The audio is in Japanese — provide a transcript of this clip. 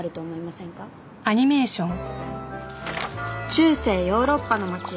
中世ヨーロッパの町。